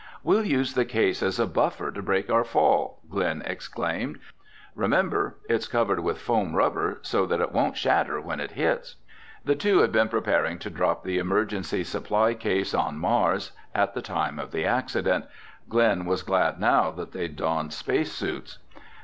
"We'll use the case as a buffer to break our fall," Glen explained. "Remember, it's covered with foam rubber so that it won't shatter when it hits." The two had been preparing to drop the emergency supply case on Mars at the time of the accident. Glen was glad now that they'd donned space suits.